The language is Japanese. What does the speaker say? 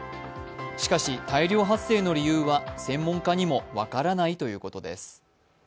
しかし、大量発生の理由は専門家にも分からないということです。